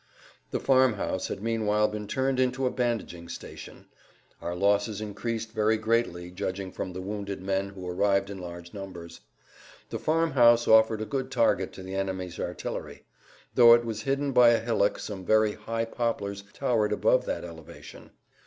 The farmhouse had meanwhile been turned into a bandaging station. Our losses increased very greatly judging from the wounded men who arrived in large numbers. The farmhouse offered a good target to the enemy's artillery. Though it was hidden by a hillock some very high poplars towered above that elevation.